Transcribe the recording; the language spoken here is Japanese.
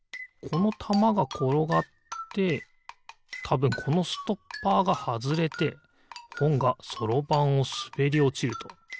このたまがころがってたぶんこのストッパーがはずれてほんがそろばんをすべりおちると。